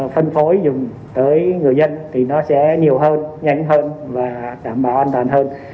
phân phối dùng tới người dân thì nó sẽ nhiều hơn nhanh hơn và đảm bảo an toàn hơn